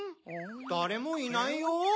だれもいないよ。